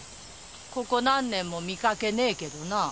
ここ何年も見かけねえけどな。